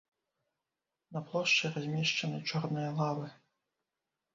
На плошчы размешчаны чорныя лавы.